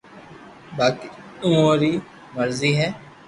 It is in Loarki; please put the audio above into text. باقي اووہ روي مرزو ھي